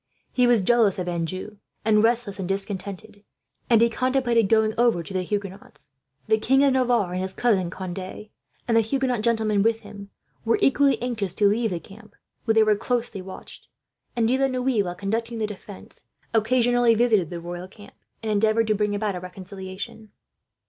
He was jealous of Anjou, and restless and discontented, and he contemplated going over to the Huguenots. The King of Navarre and his cousin Conde, and the Huguenot gentlemen with him, were equally anxious to leave the camp, where they were closely watched; and De la Noue, while conducting the defence, occasionally visited the royal camp and endeavoured to bring about a reconciliation.